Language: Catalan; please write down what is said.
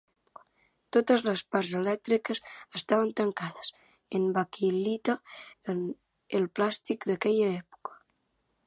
Totes les parts elèctriques estaven tancades en baquelita, el plàstic d'aquella època.